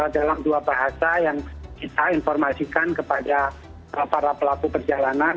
dalam dua bahasa yang kita informasikan kepada para pelaku perjalanan